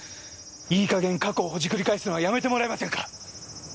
いい加減過去をほじくり返すのはやめてもらえませんか？